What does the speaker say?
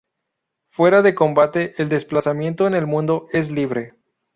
Fuera de combate, el desplazamiento en el mundo es libre.